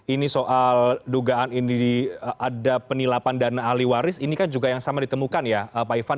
ini soal dugaan ini ada penilapan dana ahli waris ini kan juga yang sama ditemukan ya pak ivan